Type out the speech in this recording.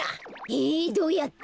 えどうやって？